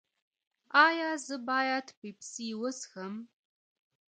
ایا زه باید پیپسي وڅښم؟